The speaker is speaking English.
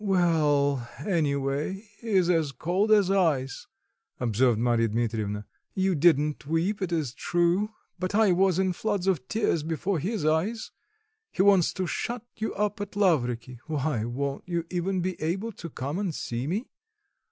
"Well, any way, he's as cold as ice," observed Marya Dmitrievna. "You didn't weep, it is true, but I was in floods of tears before his eyes. He wants to shut you up at Lavriky. Why, won't you even be able to come and see me?